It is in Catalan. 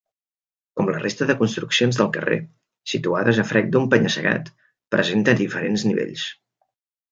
Com la resta de construccions del carrer, situades a frec d'un penya-segat, presenta diferents nivells.